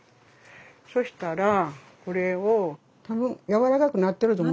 そしたらこれを多分やわらかくなってると思いますね。